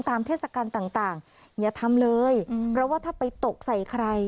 เทศกาลต่างอย่าทำเลยเพราะว่าถ้าไปตกใส่ใคร